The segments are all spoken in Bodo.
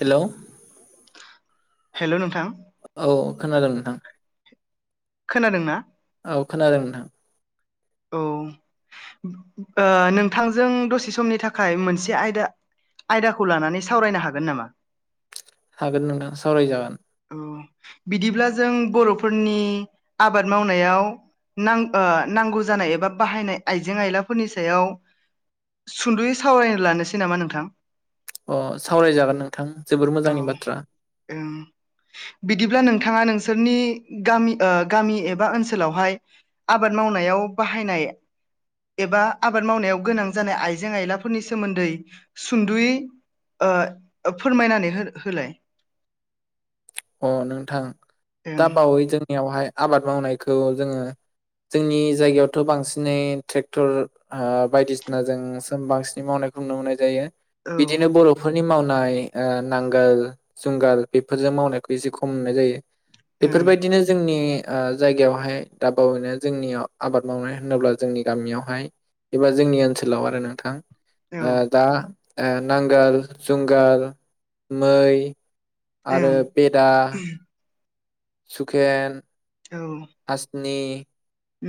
हेलौ। हेलौ नोंथां। औ खोनादों नोंथां। खोनादोंना? औ खोनादों नोंथां। औ, ओ नोंथांजों दसे समनि थाखाय मोनसे आयदा आयदाखौ लानानै सावरायनो हागोन नामा? हागोन नोंथां सावराय जागोन। उम बिदिब्ला जों बर'फोरनि आबाद मावनायाव नां ओ नांगौ जानाय एबा बाहायनाय आइजें आयलाफोरनि सायाव सुंद'यै सावरायनो लानोसै नामा नोंथां? अ सावरायजागोन नोंथां जोबोर औ मोजांनि बाथ्रा। ओं बिदिब्ला नोंथाङा नोंसोरनि गामि ओ गामि एबा ओनसोलावहाय आबाद मावनायाव बाहायनाय एबा आबाद मावनायाव गोनां जानाय आइजें आयलाफोरनि सोमोन्दै सुंद'यै ओ फोरमायनानै हो-होलाय। अ नोंथां दा बावै जोंनियावहाय आबाद मावनायखौ जोङो जोंनि जायगायावथ' बांसिनै ट्रेक्टर बायदिसिनाजों बांसिनै मावनायखौ नुनो मोननाय जायो। औ बिदिनो बर'फोर। नि मावनाय ओ नांगोल जुंगाल बेफोरजों मावनाय। एसे खम नुनाय जायो। ओं बेफोरबायदिनो जोंनि ओ जायगायावहाय दा बावैनो जोंनियाव आबाद मावनाय होनोब्ला जोंनि गामियावहाय एबा जोंनि ओनसोलाव आरो नोंथां। औ ओ दा ओ नांगोल जुंगाल मै आरो। ओं दा सुखेन। औ हासिनि।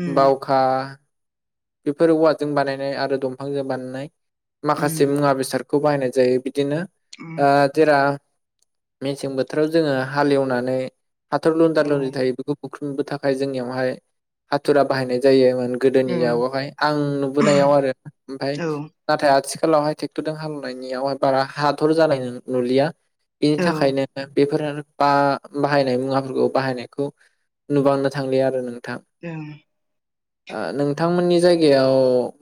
उम बावखा। बेफोर औवाजों बानायनाय आरो दंफांजों बानायनाय। माखासे उम मुवा बेसाद। खौ बाहायनाय जायो बि दिनो उम ओ [unintelligible] मेसें बोथोराव जोङो हालेवनानै हाथर लुनदा औ लुनदि थायो बेखौ बुख्रुब [unintelligible] थाखाय जोंनियावहाय हाथुरा बाहायनाय जायो। गोदोनि ओं [unintelligible] फाय आं नुबोनायाव आरो ओमफाय औ नाथाय आथि खालावहाय टेक्टरजों हालेवनाय नियावहाय बारा हाथर जानाय नुलिया। बेनि ओं थाखायनो [unintelligible] [unintelligible] बा बाहायनाय मुवाफोरखौ बाहायनायखौ नुबांनो थांलिया आरो नों [unintelligible] ओ नोंथांमोननि जायगायाव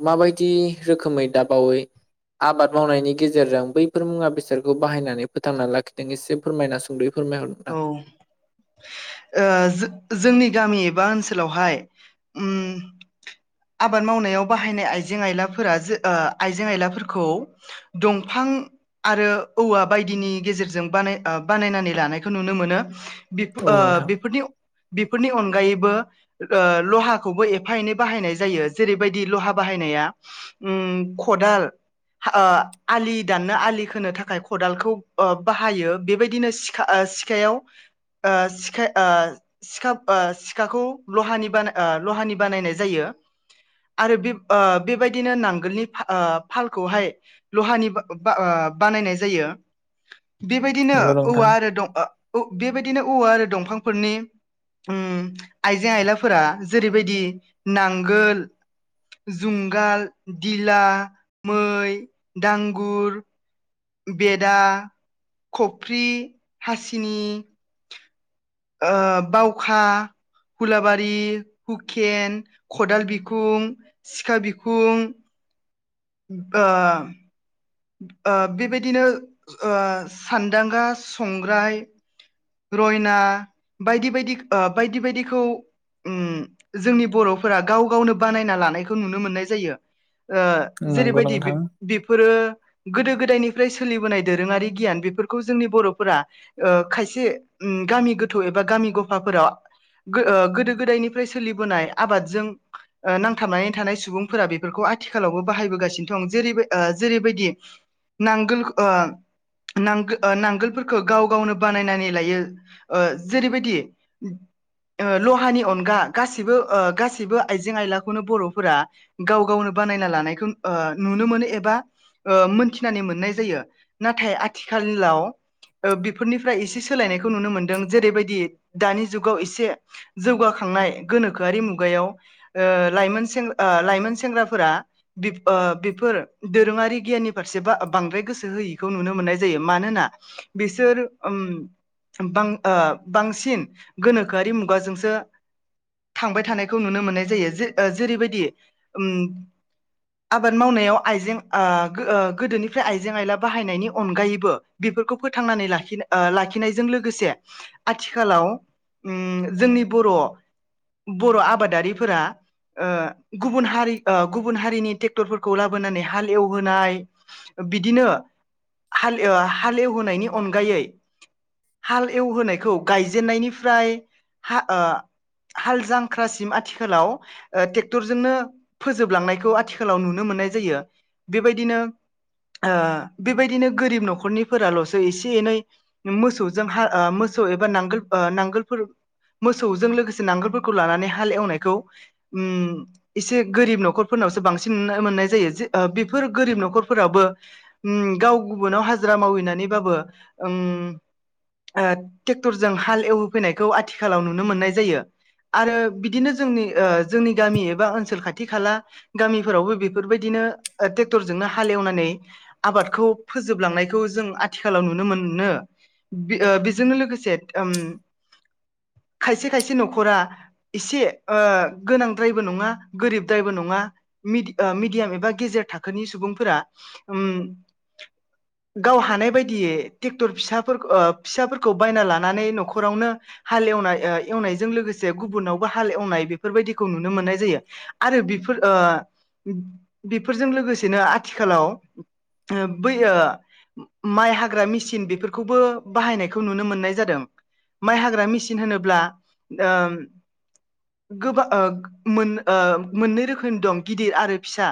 माबायदि रोखोमै दाबावै आबाद मावनायनि गेजेरजों बैफोर मुवा बेसादखौ बाहायनानै फोथांना लाखिदों एसे फोरमायना सुंदयै। फोरमायहर नोंथां औ ओ जों जोंनि गामि बा ओनसोलाव हाय ओम आबाद मावनायाव बाहायनाय आइजें आइलाफोरा जो ओ आइजें आइलाफोरखौ दमफां आरो औवा बायदिनि गेजेरजों बानाय ओ बानायनानै लानाय। खौ नुनो मोनो। बेफ औ ओ नोंथां बेफोरनि बेफोरनि अनगायैबो ओ लहाखौबो एफा एनै बाहायनाय जायो जेरैबायदि लहा बाहायनाया ओम खदाल ओ आलि दाननो आलि खोनो थाखाय खदालखौ ओ बाहायो बेबायदिनो सिखा। ओ सिखायाव ओ सिखा ओ सिखा ओ सिखाखौ लहानि बानाय ओ लहानि बानायनाय जायो आरो बेब ओ बेबायदिनो नांगोलनि ओ फालखौहाय लहानि बा बानायनाय जायो। बेबायदिनो नंगौ नोंथां औवा आरो अ बेबायदिनो औवा आरो दंफांफोरनि ओम आइजें आयलाफोरा जेरैबायदि नांगोल जुंगाल दिला मै दांगुर बेदा खफ्रि हासिनि ओ बावखा हुलाबारि हुखेन खदाल बिखुं सिखा बिखुं [unintelligible] ओ बेबायदिनो ओ सान्दांगा संग्राय रयना बायदि बायदि ओ बायदि बायदिखौ उम जोंनि बर'फोरा गाव गावनो बानायना लानायखौ नुनो मोननाय जायो ओ नंगौ जेरैबायदि नोंथां बेफ-बेफोरो गोदो गोदायनिफ्राय सोलिबोनाय दोरोङारि गियान बेफोरखौ जोंनि बर'फोरा ओ खायसे ओम गामि गोथौ एबा गामि गफाफोराव गो ओ गोदो गोदायनिफ्राय सोलिबोनाय आबादजों ओ नांथाबनानै थानाय सुबुंफोरा बेफोरखौ आथिखालावबो बाहायबोगासिनो दं जेरै ओ जेरैबायदि नांगोल ओ नांगो-नांगोलफोरखौ गाव गावनो बानायनानै लायो ओ जेरैबायदि लहानि अनगा गासैबो ओ गासैबो आइजें आइलाखौनो बर'फोरा गाव गावनो बानायना लानायखौ ओ नुनो मोनो एबा ओ मोनथिनानै मोननाय जायो नाथाय आथिखालाव ओ बिफोरनिफ्राय एसे सोलायनायख खौ नुनो मोन्दों जेरैबायदि दानि जुगाव एसे जौगाखांनाय गोनोखोआरि मुगायाव ओ लाइमोन सें ओ लाइमोन सेंग्राफोरा बिब ओ बेफोर दोरोङारि गियाननि फारसे बा बांद्राय गोसो होयैखौ नुनो मोननाय जायो मानोना बिसोर ओम बां ओ बांसिन गोनोखोआरि मुगाजोंसो थांबाय थानायखौ नुनो मोननाय जायो जे ओ जेरैबायदि ओम आबाद मावनायाव आइजें ओ गो ओ गोदोनिफ्राय आइजें आइला बाहायनायनि अनगायैबो बेफोरखौ फोथांनानै लाखिनो ओ लाखिनायजों लोगोसे आथिखालाव ओम जोंनि बर' बर' आबादारिफोरा ओ गुबुन हारि ओ गुबुन हारिनि ट्रेक्टरफोरखौ लाबोनानै हाल एव होनाय बिदिनो हाल एव एवहोनायनि अनगायै हाल एवहोनायखौ गायजेनायनिफ्राय हा ओ हाल जांख्रासिम आथिखालाव ट्रेक्टरजोंनो फोजोबलांनायखौ आथिखालाव नुनो मोननाय जायो। बेबायदिनो ओ बेबायदिनो गोरिब न'खरनिफोराल'सो एसे एनै मोसौजों हा ओ मोसौ एबा नांगोल ओ नांगोलफोर मोसौजों लोगोसे नांगोलफोरखौ लानानै हाल एवनायखौ उम एसे गोरिब न'खरफोरनावसो बांसिन नुनो मोननाय जायो जे ओ बिब फोर गोरिब न'खरफोरावबो ओम गाव गुबुनाव हाजिरा मावहैनानैबाबो ओम ओ ट्रेक्टरजों हाल एवहोफैनायखौ आथिखालाव नुनो मोननाय जायो आरो बिदिनो जोंनि ओ जोंनि गामि एबा ओनसोल खाथि खाला गामिफोरावबो बेफोरबायदिनो ओ ट्रेक्टरजोंनो हाल एवनानै आबादखौ फोजोबलांनायखौ जों आथिखालाव नुनो मोनो बेजोंनो लोगोसे ओम खायसे खायसे न'खरा एसे ओ गोनांद्रायबो नङा गोरिबद्रायबो नङा मिद ओ मिडियाम एबा गेजेर थाखोनि सुबुंफोरा ओम गाव हानाय बायदियै ट्रेक्टर फिसाफोर ओ फिसाफोरखौ बायना लानानै न'खरावनो हाल एवनाय ओ एवनायजों लोगोसे गुबुनावबो हाल एवनाय बेफोरबायदिखौ नुनो मोननाय जायो आरो बिफोर ओ बिब फोरजों लोगोसेनो आथिखालाव ओम बै ओ माइ हाग्रा मेसिन बेफोरखौबो बाहायनायखौ नुनो मोननाय जादों माइ हाग्रा मिसिन होनोब्ला ओम गोबा ओ मोन ओ मोननै रोखोमनि दं गिदिर आरो फिसा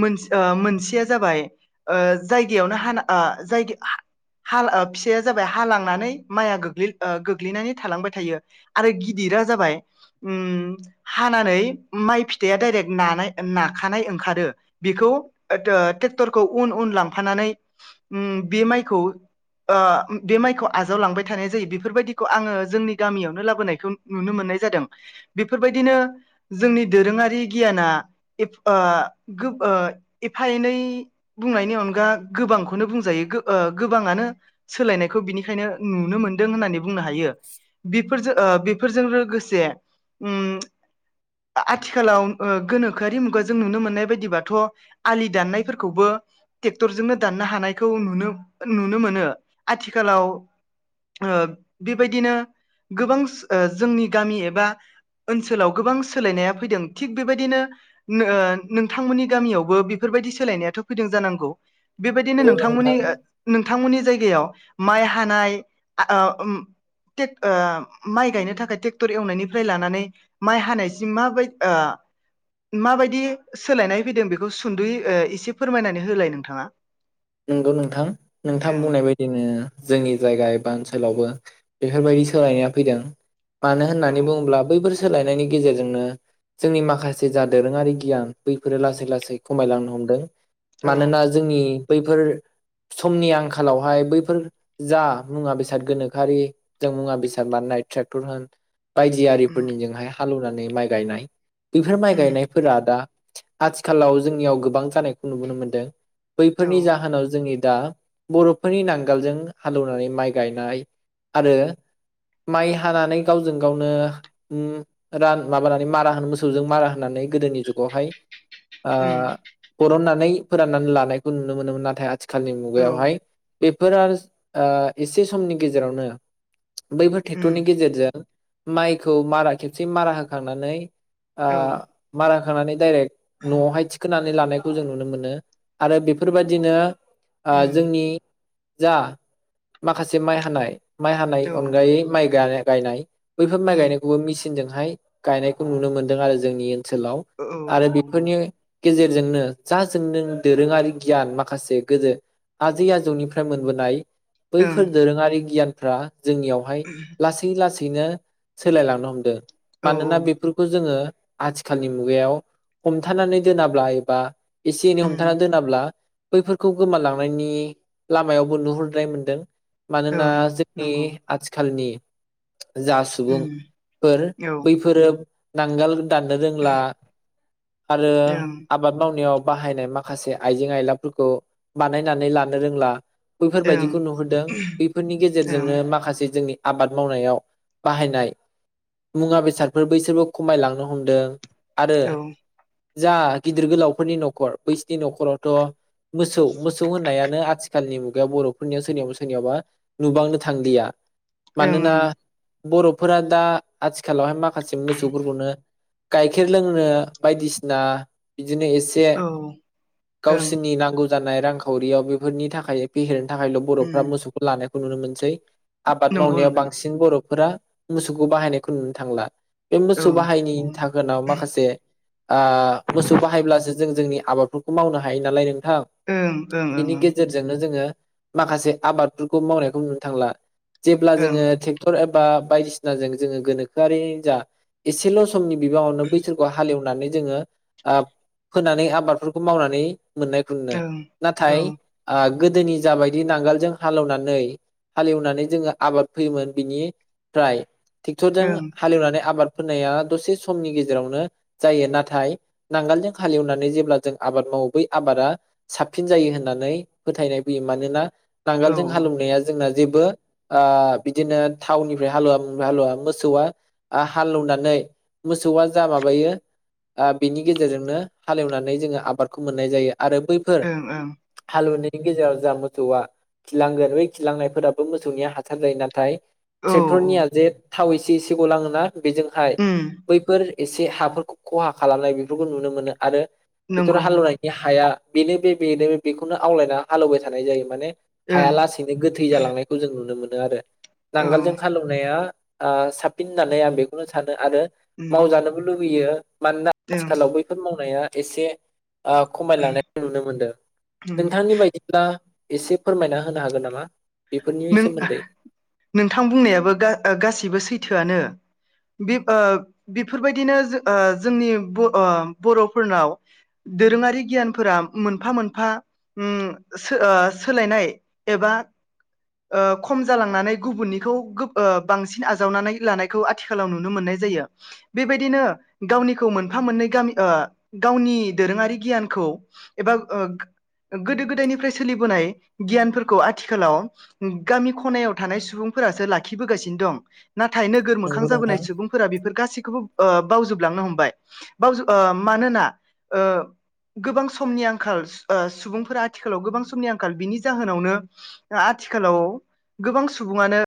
मोनस ओ मोनसेया जाबाय ओ जायगायावनो हाना ओ जायग हा-हाल ओ फिसाया जाबाय हालांनानै माइआ गोग्लै ओ गोग्लैनानै थालांबाय थायो आरो गिदिरा जाबाय ओम हानानै ओम माइ फिथाइया डाइरेक्ट नानाय नाखानाय ओंखार ओ बेखौ ओ ट्रेक्टरखौ उन उन लांफानानै ओम बि माइखौ ओ बे माइखौ आजावलांबाय थानाय जायो बेफोरबायदिखौ आङो जोंनि गामियावनो लाबोनायखौ नुनो मोननाय जादों बेफोरबायदिनो जोंनि दोरोङारि गियाना बेफ ओ गोब ओ एफा एनै बुंनायनि अनगा गोबांखौनो बुंजायो गो ओ गोबाङानो सोलायनायखौ बिनिखायनो नुनो मोनदों होननानै बुंनो हायो बेफोरजो ओ बेफोरजों लोगोसे ओम आथिखालाव ओ गोनोखोआरि मुगाजों नुनो मोननाय बायदि बायदिबाथ' आलि दाननायफोरखौबो ट्रेक्टरजोंनो दाननो हानायखौ नुनो-नुनो मोनो आथिखालाव ओ बेबायदिनो गोबांस ओ जोंनि गामि एबा ओनसोलाव गोबां सोलायनाया फैदों थिग बेबायदिनो ओम ओ नों थांमोननि गामियावबो बेफोरबायदि सोलायनायाथ' फैदों जानांगौ बेबायदिनो नंगौ नोंथांमोननि नोंथां ओ नोंथांमोननि जायगायाव माइ हानाय आ ओ ओम ट्रेक्ट ओम माइ गायनो थाखाय ट्रेक्टर एवनायनिफ्राय लानानै माइ हानायसिम माबाय ओ माबायदि सोलायनाय फैदों बेखौ सुंदुयै ओ एसे फोरमायनानै होलाय नोंथाङा नंगौ नोंथां नोंथां ओं बुंनाय बायदिनो जोंनि जायगा एबा ओनसोलावबो बेफोरबायदि सोलायनाया फैदों मानो औ होननानै बुङोब्ला बै फोर सोलायनायनि गेजेरजोंनो जोंनि माखासे जा दोरोङारि गियान बैफोरो लासै लासै खमायलांनो हमदों औ मानोना जोंनि बैफोर समनि आंखालावहाय बैफोर जा मुवा बेसाद गोनोखोआरि जों मुवा बेसाद बानाइनाय ट्रेक्टर होन बायदि उम आरिफोरनिजोंहाय हालेवनानै माइ गायनाय बेफोर माइ उम गायनायफोरा दा आथिखालाव जोंनियाव गोबां जानायखौ नुबोनो मोनदों। औ फोरनि जाहोनाव जोंनि दा बर'फोरनि नांगोलजों हालेवनानै माइ गायनाय आरो माइ हानानै गावजों गावनो उम रान माबानानै मारा होनो मोसौजों मारा होनानै गोदोनि जुगावहाय ओ उम बरननानै फोराननानै लानाय नुनो मोनोमोन नाथाइ आ खालनि औ मुगायावहाय बेफोर आरोस एसे समनि गेजेरावनो बैफोर उम ट्रेक्टरनि गेजेरजों माइखौ मारा खेबसे मारा होखांनानै आ औ मारा थांनानै दाइरेक्ट न'आवहायथिखोना लानायखौ जों नुनो मोनो। आरो बेफोरबायदिनो ओ उम जोंनि जा माखासे माइ हानाय माइ हानाय औ अनगायै माइ गारा गायनाय बैफोर माइ उम गायनायखौबो मि जोंहाय गायनायखौ नुनो मोनदों आरो जोंनि ओनसोलाव औ आरो बेफोरनि गेजेरजोंनो जा जोंदों दोरोङारि गियान माखासे गोजो आजै आजौनिफ्राय मोनबोनाय औ बैफोर ओं दोरोङारि गियान फ्रा जोंनियावहाय लासै लासै दिनो सोलायलांनो हमदो। औ मानोना बेफोरखौ जोङो। आथिखालनि मुगायाव हमथानानै दोनाब्ला एबा एस ओ उम दोनाब्ला। बैफोरखौ गोमालांनायनि लामायावबो नुहुरनाय मोनदों। मानोना ओं जोंनि नंगौ आथिखालनि। जा उम सुबुंफोर औ बैफोरोब नांगोलग दानदनो रोंला। आरो ओं आबाद मावनायावब। बाहायनाय माख खासे आइजें आयलाफोरखौ बानायनानै लानो रोंला। बैफोरबायदिखौ ओं नुहुरदों, बैफोरनि ओं गेजेरजोंनो माखासे जोंनि। आबाद मावनायाव बाहायनाय मुंवा बेसादफोर बैसोरबो खमायलांनो हमदों। आरो। औ ओं जा गिदिर गोलावफोरनि न'खर बैस थि नखरथ'। मोसौ मोसौ होननायान नाय आथिखालनि मुगायाव बर'फोरनियाव सोरनियावबा सोरनियावबा नुबांनो थांलिया। मानोना। ओं बर'फोरा दा आथिखालावहाय माख खासे मोसौफोरखौनो। गाइखेर लोंनो बायदिसिना बि जिनो एसे। औ ओं गावसिोरनि नांगौ। जानाय रांखावरियाव बेफोरनि थाखाय फेहेर थाखायल' बर'फ्रा उम मोसौखौ लानायख नुनो मोनसै। आबाद नंगौ मावनायाव नोंथां बांसिन बरफ फोरा मोसौखौ बाहायनायखौ नुनो थांला। बे औ मोसौ बाहायनि उम थाखोना माखासे, आ मोसौ बाहायब्लासो जों जोंनिआ आबवफो मावनो हायो नालाय नों। थां ओं बिनि ओं गेजेरजोंनो जोङो। माखासे आबादफोरखौ मावनायखौ नुनो थांला। जेब्ला ओं जोङो ट्रेक्टर। बा बायदिसिना जों जोङो गोनोखोआरि जा। एसेल' समनि बिबाङावनो बैसोरखौ हालेवनानै जोङो फोनानै आबाद मावनानै मोननायखौनो, औ नाथाय अ गोदोनि जाबायदि नांगोलजों हालेवनानै हालेवनानै, जोङो आबाद फैयोमोन बिनिफ्राय ट्रेक्टरजों ओं हालेवनानै आबाद होनाया दसे समनि गेजेरावनो जायो नाथाय नांगालजों हालेवनानै जेब्ला जों आबाद मावो बै आबादा साबसिन जायो होननानै फोथायनाय फैयो मानोना औ नांगोलजों हालेवनाया जोंना जेबो ओ बिदिनो थावनिफ्राय हालवा हाल मोसौ हालेवनानै मोसौआ जा माबायो बिनि गेजेरजोंनो हालेवनानै जोङो आ बादखौ मोननाय जायो। आरो बैफोर ओं ओं हालवनो बेनि गेजेराव जा मोसौआ खिलांगोन बेै खिलांनायफोराबो मोसौनिया हासार जायो नाथाय औ ट्रेक्टरनिया जे थावै एसे एसे गलाङोना बेजोंहाय उम बैफोर एसे हाफोरखौ खहा खालामनाय बेफोरखौ नुनो मोनो आरो ट्रेक्टर नंगौ नंगौ हालेवनायनि हाया बेनो बे बेनो बेखौनो आवलायना हालेवबाय थानाय जायो माने हाया ओं लासेैनो गोथै जालांनायखौ जों नुनो मो नो आरोे औ नांगोलजों हालेवनाया ओ साबसिन होननानै आं बेखौनो सानो आरो उम मावजानोबो लु यो मानोना ओं आथिखालाव बैफोर मावनाया एसे खमायलांनाय नुनो मोनदों उम नोंथांनि बायदिब्ला एसे फोरमायना होनो हागोन नामा बेफोरनि नों सोमोन्दै? नोंथां बुंनायाबो गा-गासिबो सैथोआनो। बे ओ बेफोरबायदिनो जो ओ जोंनि ओ ब-बर'फोरनाव दोरोङारि गियानफोरा मोनफा मोनफा उम ओ सोलायनाय एबा ओ खम जालांनानै गुबुननिखौ ओ बांसिन आजावनानै लानायखौ आथिखालाव नुनो मोननाय जायो बेबायदिनो गावनिखौ मोनफा मोननै गामि ओ गावनि दोरोङारि गियानखौ एबा ओ गोदो गोदायनिफ्राय सोलिबोनाय गियानफोरखौ आथिखालाव गामि खनायाव थानाय सुबुंफोरासो लाखिबोगासिनो दं। नाथाय नोगोर मोखां नंगौ नोंथां जाबोनाय सुबुंफोरा बेफोर गासि खौबो ओ बावजोबलांनो हमबाय बावजोब ओ मानोना ओ गोबां समनि आंखाल ओ सुबुंफोरा आथिखालाव गोबां समनि आंखाल बिनि जाहोनावनो ओ आथिखालाव गोबां सुबुङानो